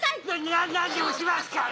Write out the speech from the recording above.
な何でもしますから！